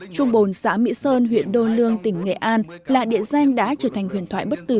trung bồn xã mỹ sơn huyện đô lương tỉnh nghệ an là địa danh đã trở thành huyền thoại bất tử